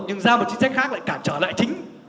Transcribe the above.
nhưng ra một chính sách khác lại cản trở lại chính